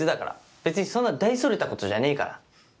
別にそんな大それたことじゃねえから。